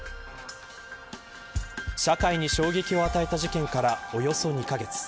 社会に衝撃を与えた事件からおよそ２カ月。